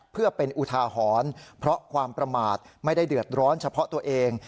เพื่อเป็นอุทาหรณ์เพราะความประมาทไม่ได้เดือดร้อนเฉพาะตัวเอง